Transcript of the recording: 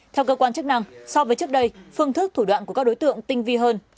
theo cơ quan chức năng so với trước đây phương thức thủ đoạn của các đối tượng tinh vi hơn